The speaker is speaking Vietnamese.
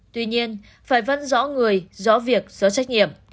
tuy nhiên phải văn rõ người rõ việc rõ trách nhiệm